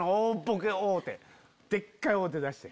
でっかい王手出して。